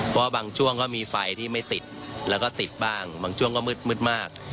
เพราะบางช่วงก็มีไฟที่ไม่ติดแล้วก็ติดบ้างบางช่วงก็มืดมาก